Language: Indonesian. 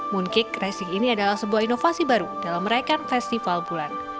mooncake racing ini adalah sebuah inovasi baru dalam merayakan festival bulan